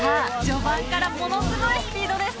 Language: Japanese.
序盤からものすごいスピードです